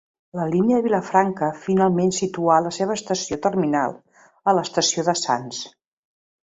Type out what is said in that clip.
La línia de Vilafranca finalment situà la seva estació terminal a l'estació de Sants.